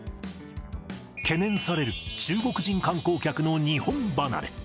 懸念される中国人観光客の日本離れ。